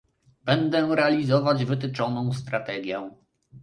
Będę realizować wytyczoną strategię